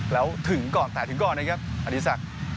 แล้วถึงก่อนแตกถึงก่อนนะครับอดีศักดิ์